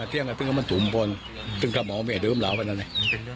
เป็นเรื่องกันที่สุดเลยนะครับ